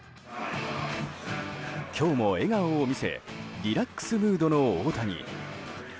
今日も笑顔を見せリラックスムードの大谷。